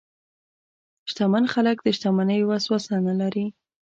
شتمن خلک د شتمنۍ وسوسه نه لري.